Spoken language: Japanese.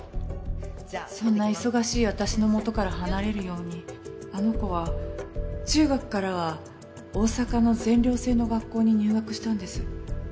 そんな忙しい私の元から離れるようにあの子は中学からは大阪の全寮制の学校に入学したんです。